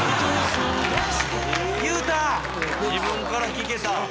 自分から聞けた。